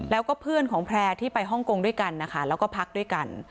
แล้วก็เพื่อนของแพร่ที่ไปฮ่องกงด้วยกันนะคะแล้วก็พักด้วยกัน